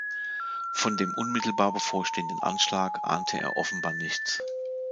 Von dem unmittelbar bevorstehenden Anschlag ahnte er offenbar nichts.